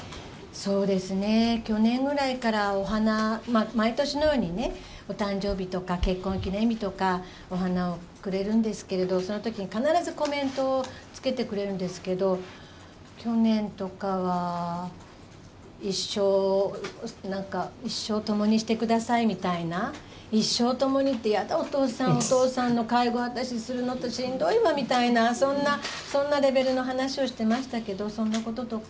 そうですね、去年ぐらいから、お花、まあ、毎年のようにね、お誕生日とか、結婚記念日とか、お花をくれるんですけれど、そのときに必ずコメントをつけてくれるんですけど、去年とかは、一生、なんか、一生を共にしてくださいみたいな、一生共にって嫌だ、お父さん、お父さんの介護、私するのしんどいわみたいな、そんな、そんなレベルの話をしてましたけど、そんなこととか。